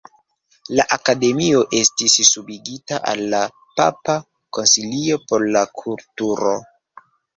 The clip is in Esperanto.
La Akademio estis subigita al la Papa Konsilio por la Kulturo.